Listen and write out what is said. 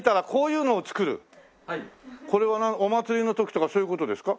これはお祭りの時とかそういう事ですか？